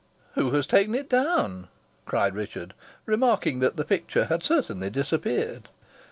"Who has taken it down?" cried Richard, remarking that the picture had certainly disappeared.